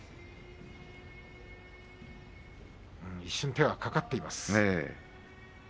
一瞬、手は掛かっています。